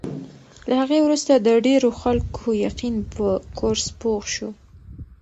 له هغې وروسته د ډېرو خلکو یقین په کورس پوخ شو.